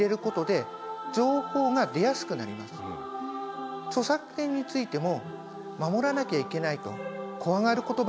著作権についても守らなきゃいけないと怖がることばかりではないんです。